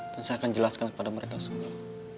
dan saya akan jelaskan kepada mereka semua